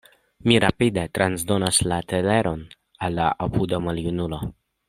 Mi rapide transdonas la teleron al la apuda maljunulo.